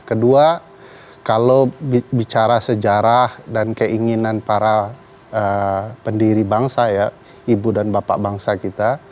kedua kalau bicara sejarah dan keinginan para pendiri bangsa ya ibu dan bapak bangsa kita